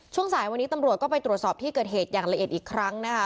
สายวันนี้ตำรวจก็ไปตรวจสอบที่เกิดเหตุอย่างละเอียดอีกครั้งนะคะ